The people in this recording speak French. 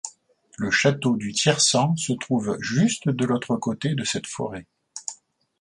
Le château du Tiercent se trouve juste de l’autre côté de cette forêt.